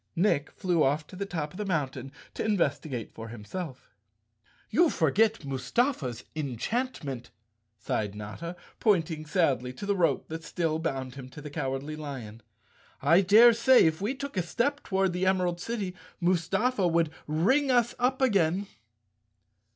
Nick flew off to the top of the mountain to investi¬ gate for himself. "You forget Mustafa's enchantment," sighed Notta, pointing sadly to the rope that still bound him to the Cowardly Lion. "I daresay if we took a step toward the Emerald City, Mustafa would ring us up again."